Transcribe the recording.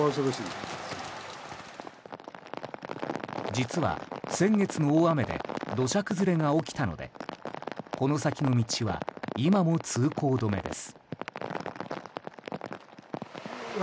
実は、先月の大雨で土砂崩れが起きたのでこの先の道は今も通行止めです。